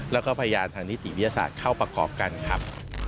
แล้วก็พยานทางนิติวิทยาศาสตร์เข้าประกอบกันครับ